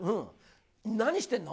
何してんの？